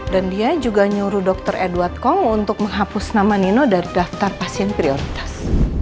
dan dia juga nyuruh dokter edward kong untuk menghapus nama nino dari daftar pasien prioritas